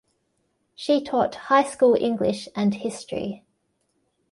She taught high school English and History.